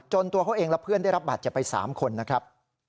ตัวเขาเองและเพื่อนได้รับบาดเจ็บไป๓คนนะครับ